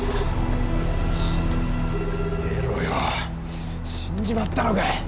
出ろよ死んじまったのか！